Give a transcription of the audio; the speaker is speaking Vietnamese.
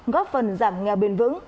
góp phần giảm nghèo bền vững